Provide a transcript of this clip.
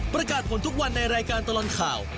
ประกาศผลทุกวันในรายการตลอดข่าว